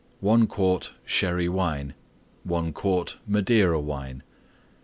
1 quart Sherry Wine. 1 quart Madeira Wine.